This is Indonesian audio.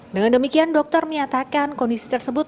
dengan demikian dokter menyatakan kondisi tersebut